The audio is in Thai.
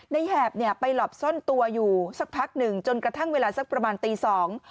แหบเนี่ยไปหลบซ่อนตัวอยู่สักพักหนึ่งจนกระทั่งเวลาสักประมาณตีสอง